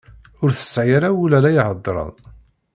Ur tesɛi ara ul ara ihedren.